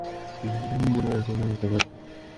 মনে হয় না তুই এটা পারবি।